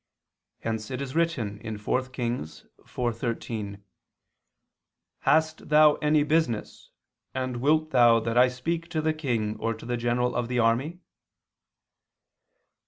Hence it is written (4 Kings 4:13): "Hast thou any business, and wilt thou that I speak to the king or to the general of the army?"